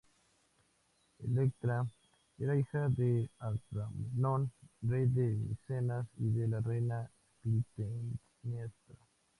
Electra era hija de Agamenón, rey de Micenas y de la reina Clitemnestra.